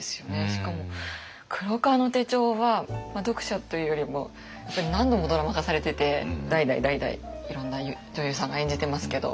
しかも「黒革の手帖」は読者というよりも何度もドラマ化されてて代々代々いろんな女優さんが演じてますけど。